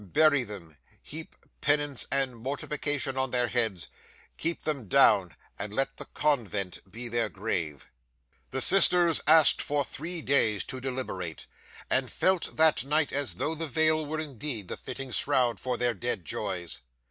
Bury them, heap penance and mortification on their heads, keep them down, and let the convent be their grave!" 'The sisters asked for three days to deliberate; and felt, that night, as though the veil were indeed the fitting shroud for their dead joys.